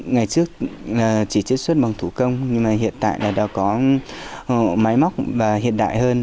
ngày trước chỉ chất suất bằng thủ công nhưng mà hiện tại là đã có máy móc hiện đại hơn